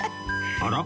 あら？